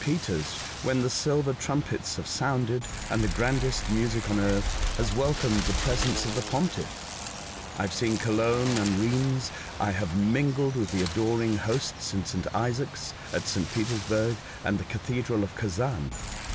Peter's when the silver trumpets have sounded and the grandest music on earth has welcomed the presence of the Pontiff. I have seen Cologne and Rheims. I have mingled with the adoring hosts in S. Isaac's at S. Petersburg and the Cathedral of Kazan.